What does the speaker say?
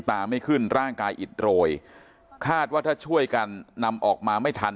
ไม่ขึ้นร่างกายอิดโรยคาดว่าถ้าช่วยกันนำออกมาไม่ทัน